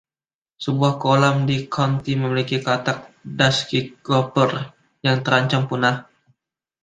Sebuah kolam di county memiliki katak dusky gopher yang terancam punah.